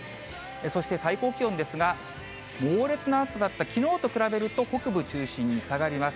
そして最高気温ですが、猛烈な暑さだったきのうと比べると、北部中心に下がります。